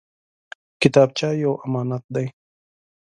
کتابچه یو امانت دی